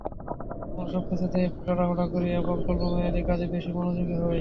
আমরা সবকিছুতে একটু তাড়াহুড়া করি এবং স্বল্পমেয়াদি কাজে বেশি মনোযোগী হই।